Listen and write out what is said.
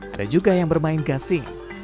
ada juga yang bermain gasing